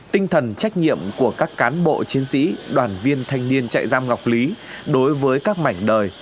tinh thần trách nhiệm của các cán bộ chiến sĩ đoàn viên thanh niên chạy giam ngọc lý đối với các mảnh đời